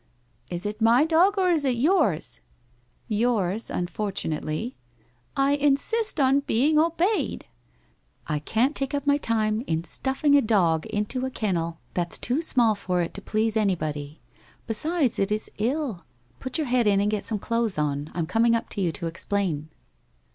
' Is it my dog or IB it yours? '' Yours — unfortunately.' 1 I insist on being obeyed.' * I can't take up my time in &tufting a dog into a kennel 12i WHITE ROSE OF WEARY LEAF that's too small for it to please anybody. Besides it is ill. Put your head in and get some clothes on. I am com ing up to you to explain.'